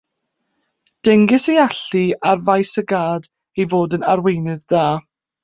Dengys ei allu ar faes y gad ei fod yn arweinydd da